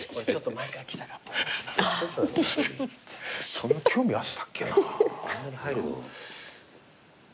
そんな興味あったっけな。